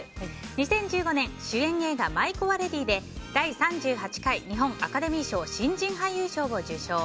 ２０１５年主演映画「舞妓はレディ」で第３８回日本アカデミー賞新人俳優賞を受賞。